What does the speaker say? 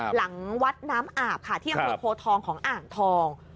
หลังวัดน้ำอาบค่ะที่อำเภอโพทองของอ่างทอง